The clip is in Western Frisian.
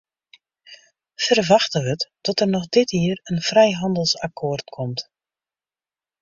Ferwachte wurdt dat der noch dit jier in frijhannelsakkoart komt.